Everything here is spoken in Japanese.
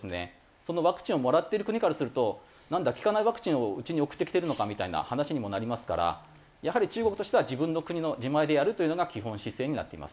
そのワクチンをもらっている国からするとなんだ効かないワクチンをうちに送ってきているのかみたいな話にもなりますからやはり中国としては自分の国の自前でやるというのが基本姿勢になっています。